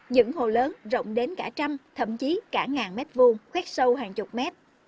những hồ lớn rộng đến cả trăm thậm chí cả ngàn mét vuông khoét sâu hàng chục mét